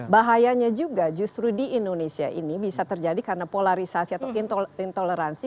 bahayanya juga justru di indonesia ini bisa terjadi karena polarisasi atau intoleransi